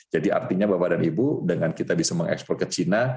jadi artinya bapak dan ibu dengan kita bisa mengekspor ke china